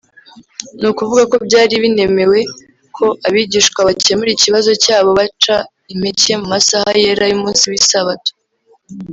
ni ukuvuga ko byari binemewe ko abigishwa bakemura ikibazo cyabo baca impeke mu masaha yera y’umunsi w’isabato